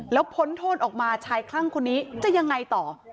แล้วพ้นโทษออกมาชายคลั่งคนนี้จะยังไงต่อ